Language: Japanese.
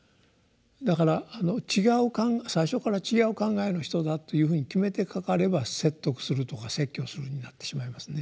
だから最初から違う考えの人だというふうに決めてかかれば説得するとか説教するになってしまいますね。